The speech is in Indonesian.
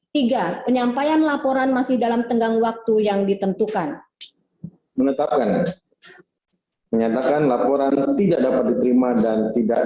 tiga penyampaian laporan masih dalam tenggang waktu yang ditentukan